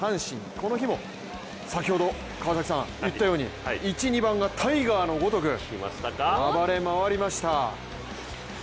この日も先ほど言ったように１・２番がタイガーのごとく暴れ回りました。